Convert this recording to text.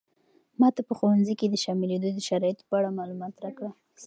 ماته په ښوونځي کې د شاملېدو د شرایطو په اړه معلومات راکړه.